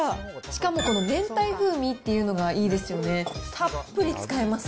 しかもこの明太風味っていうのがいいですよね。